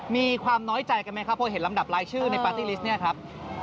มีความน้อยใจกันไหมครับเพราะเห็นลำดับรายชื่อในปาร์ตี้ลิสต์เนี่ยครับ